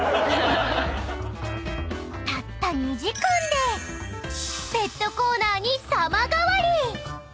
［たった２時間でペットコーナーに様変わり］